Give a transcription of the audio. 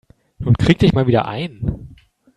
Nun krieg dich mal wieder ein.